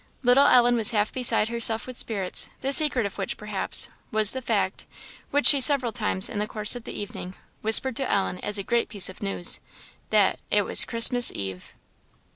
Little Ellen was half beside herself with spirits; the secret of which, perhaps, was the fact, which she several times in the course of the evening whispered to Ellen as a great piece of news, that "it was Christmas eve!"